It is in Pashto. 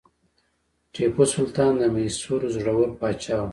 ټیپو سلطان د میسور زړور پاچا و.